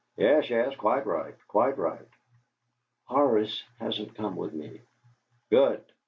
"Yes, yes; quite right quite right." "Horace hasn't come with me." "Good!"